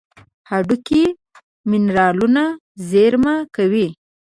هډوکي منرالونه زیرمه کوي.